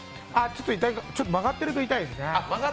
ちょっと曲がってると痛いですね。